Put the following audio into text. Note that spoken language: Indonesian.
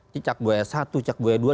cicak buaya satu cek buaya dua